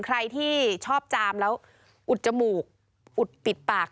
ใครที่ชอบจามแล้วอุดจมูกอุดปิดปาก